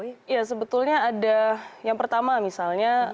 iya sebetulnya ada yang pertama misalnya